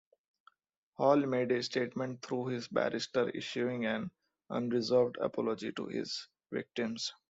Hall made a statement through his barrister, issuing an "unreserved apology" to his victims.